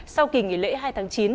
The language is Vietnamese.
sau kỳ nghỉ lễ hai tháng chín